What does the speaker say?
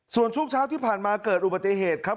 ส่วนช่วงเช้าที่ผ่านมาเกิดอุบัติเหตุครับ